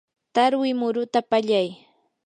tarwi muruta pallay.